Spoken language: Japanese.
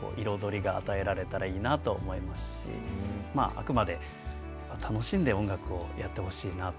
あくまで楽しんで音楽をやってほしいなと。